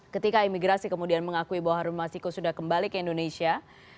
ketika imigrasi kemudian mengakui bahwa harun masiku sudah kembali ke indonesia